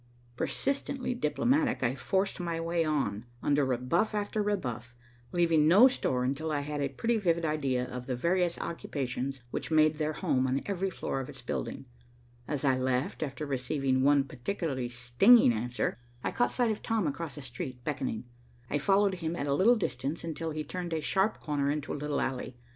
Persistently diplomatic, I forced my way on, under rebuff after rebuff, leaving no store until I had a pretty vivid idea of the various occupations which made their home on every floor of its building. As I left after receiving one particularly stinging answer, I caught sight of Tom across the street, beckoning. I followed him at a little distance until he turned a sharp corner into a little alley.